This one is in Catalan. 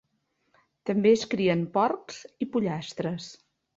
També es crien porcs i pollastres.